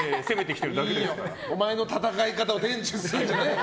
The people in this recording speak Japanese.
お前の戦い方を伝授するんじゃない。